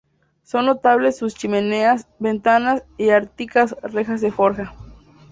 Son notables sus chimeneas, ventanas y artísticas rejas de forja.